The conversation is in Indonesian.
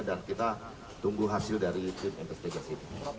kita tunggu hasil dari tim investigasi